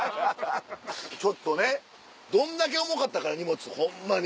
ちょっとねどんだけ重かったか荷物ホンマに。